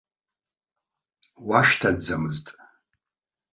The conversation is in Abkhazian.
Уашьҭаӡамызт?